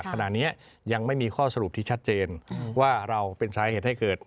ขณะนี้ยังไม่มีข้อสรุปที่ชัดเจนว่าเราเป็นสาเหตุให้เกิด